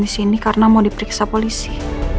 disini karena mau diperiksa polisi